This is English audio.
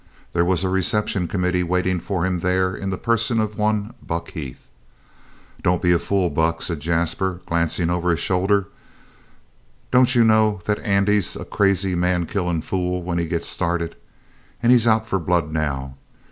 There was a reception committee waiting for him there in the person of one Buck Heath. "Don't be a fool, Buck," said Jasper, glancing over his shoulder. "Don't you know that Andy's a crazy, man killin' fool when he gets started? And he's out for blood now.